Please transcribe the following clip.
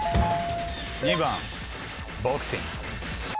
２番ボクシング。